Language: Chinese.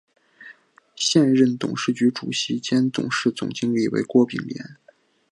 现任董事局主席兼董事总经理为郭炳联。